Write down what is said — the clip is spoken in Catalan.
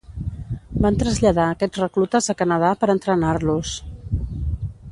Van traslladar aquests reclutes a Canadà per entrenar-los.